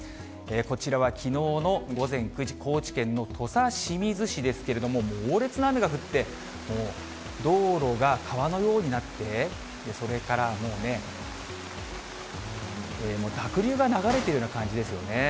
こちらはきのうの午前９時、高知県の土佐清水市ですけれども、猛烈な雨が降って、もう道路が川のようになって、それから、もうね、濁流が流れているような感じですよね。